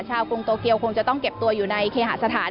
กรุงโตเกียวคงจะต้องเก็บตัวอยู่ในเคหาสถาน